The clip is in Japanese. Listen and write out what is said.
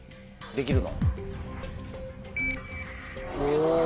できるの？